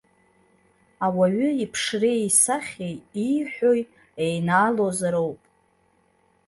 Ауаҩы иԥшреи-исахьеи ииҳәои еинаалозароуп.